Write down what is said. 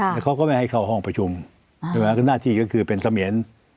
แล้วเขาก็ไม่ให้เข้าห้องประชุมใช่ไหมหน้าที่ก็คือเป็นเสมียน